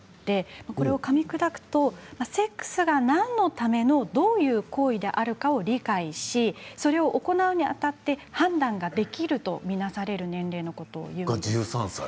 これをかみ砕くとセックスが何のためのどういう行為であるかを理解しそれを行うにあたって判断ができると見なされるそれが１３歳？